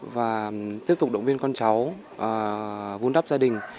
và tiếp tục động viên con cháu vun đắp gia đình